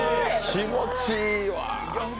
気持ちいいわ。